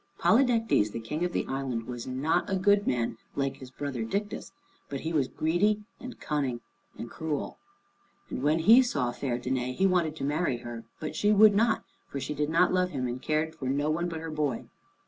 Polydectes, the King of the island, was not a good man like his brother Dictys, but he was greedy and cunning and cruel. And when he saw fair Danæ, he wanted to marry her. But she would not, for she did not love him, and cared for no one but her boy.